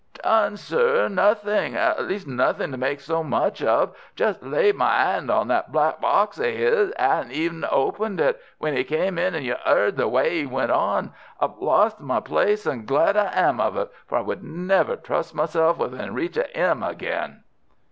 "Done, sir! Nothing. At least nothing to make so much of. Just laid my 'and on that black box of 'is—'adn't even opened it, when in 'e came and you 'eard the way 'e went on. I've lost my place, and glad I am of it, for I would never trust myself within reach of 'im again."